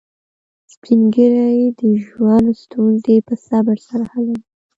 سپین ږیری د ژوند ستونزې په صبر سره حلوي